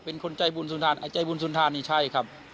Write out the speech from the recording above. เป็นคนใจบุญสุนทานไอใจบุญสุนทานนี่ใช่ครับ